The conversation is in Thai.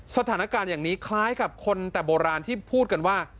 สถานการณ์อย่างนี้คล้ายกับคนแต่โบราณที่พูดกันว่า